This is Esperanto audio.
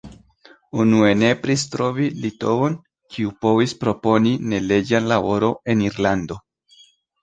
Unue nepris trovi litovon, kiu povis proponi neleĝan laboron en Irlando.